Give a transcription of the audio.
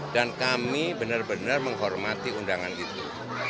dan kami benar benar menghormati undangan itu